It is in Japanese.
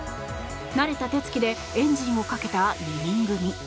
慣れた手つきでエンジンをかけた２人組。